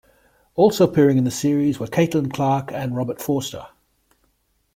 Also appearing in the series were Caitlin Clarke and Robert Forster.